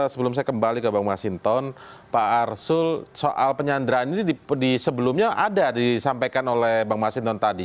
sebelum saya kembali ke bang mas hinton pak rasul soal penyanderaan ini di sebelumnya ada disampaikan oleh bang mas hinton tadi